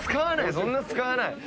そんな使わない！